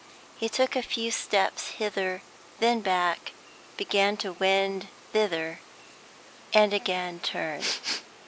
He took a few steps hither, then back; began to wend thither, and again turned.